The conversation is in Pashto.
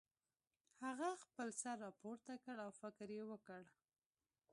هغه خپل سر راپورته کړ او فکر یې وکړ